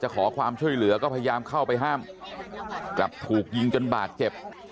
ขอความช่วยเหลือก็พยายามเข้าไปห้ามกลับถูกยิงจนบาดเจ็บ